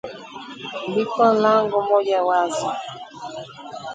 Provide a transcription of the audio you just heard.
Liko lango moja wazi.